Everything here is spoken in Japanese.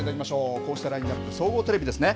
こうしたラインナップ、総合テレビですね。